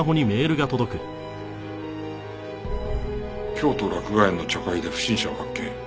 「京都洛雅苑の茶会で不審者を発見」